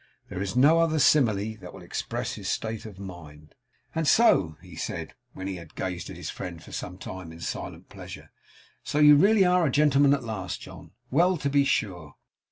There is no other simile that will express his state of mind. 'And so,' he said, when he had gazed at his friend for some time in silent pleasure, 'so you really are a gentleman at last, John. Well, to be sure!